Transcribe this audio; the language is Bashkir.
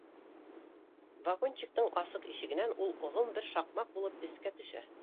Вагончиктың асыҡ ишегенән ул оҙон бер шаҡмаҡ булып эскә төшә